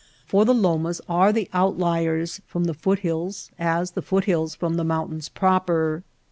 For the lomas are the outliers from the foot hills as the foot hills from the mountains proper.